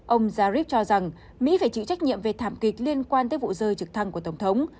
ông zarif cho rằng mỹ phải chịu trách nhiệm về thảm kịch liên quan tới vụ rơi trực thăng của tổng thống